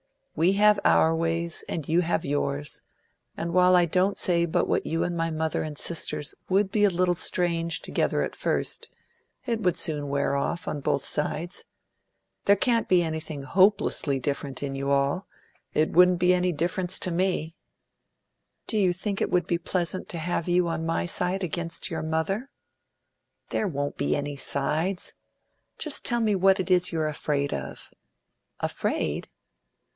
"We have our ways, and you have yours; and while I don't say but what you and my mother and sisters would be a little strange together at first, it would soon wear off, on both sides. There can't be anything hopelessly different in you all, and if there were it wouldn't be any difference to me." "Do you think it would be pleasant to have you on my side against your mother?" "There won't be any sides. Tell me just what it is you're afraid of." "Afraid?"